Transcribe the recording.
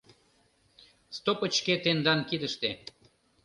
Стопычке тендан кидыште.